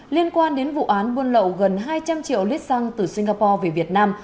liên quan đến vụ án buôn lậu gần hai trăm linh triệu lít xăng từ singapore về việt nam